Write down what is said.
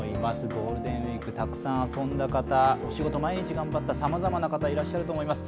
ゴールデンウイークたくさん遊んだ方お仕事、毎日頑張ったさまざまな方いらっしゃると思います。